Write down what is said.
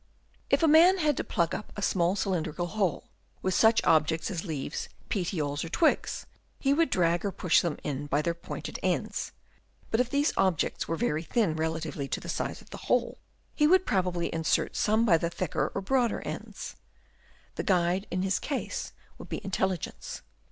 — If a man had to plug up a small cylindrical hole, with such objects as leaves, petioles or twigs, he would drag or push them in by their pointed ends ; Chap. II. THEIR INTELLIGENCE. 67 but if these objects were very thin relatively to the size of the hole, he would probably insert some by their thicker or broader ends. The guide in his case would be intelligence.